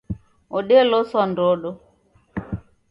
Odeloswa ndodo